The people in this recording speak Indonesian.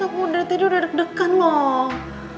aku udah tidur udah deg degan loh